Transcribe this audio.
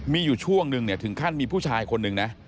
มีอยู่ช่วงนึงเนี่ยถึงขั้นมีผู้ชายคนนึงนะ